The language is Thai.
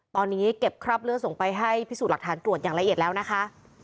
ตอนนี้เก็บคราบเลือดส่งไปให้พิสูจน์หลักฐานตรวจอย่างละเอียดแล้วนะคะ